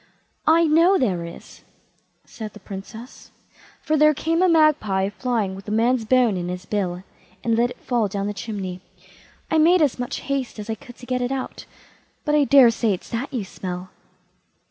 "I know there is", said the Princess, "for there came a magpie flying with a man's bone in his bill, and let it fall down the chimney. I made as much haste as I could to get it out, but I daresay it's that you smell."